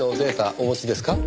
お持ちですか？